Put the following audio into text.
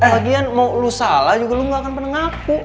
bagian mau lu salah juga lo gak akan pernah ngaku